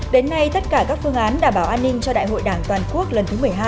đến nay tất cả các phương án đảm bảo an ninh cho đại hội đảng toàn quốc lần thứ một mươi hai